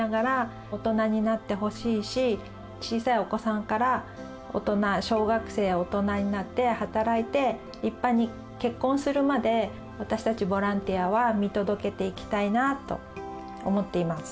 小さいお子さんから大人小学生大人になって働いて立派に結婚するまで私たちボランティアは見届けていきたいなあと思っています。